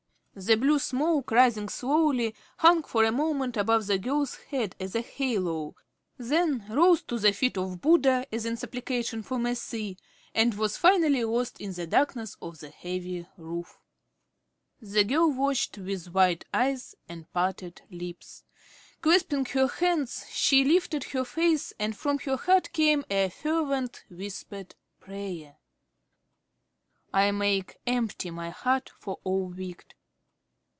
The blue smoke, rising slowly, hung for a moment above the girl's head as a halo, then rose to the feet of Buddha as in supplication for mercy, and was finally lost in the darkness of the heavy roof. The girl watched with wide eyes and parted lips. Clasping her hands, she lifted her face and from her heart came a fervent, whispered prayer. "I make empty my heart of all wicked.